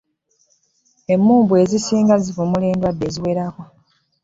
Emmumbwa ezisinga zivumula endwadde eziwerako.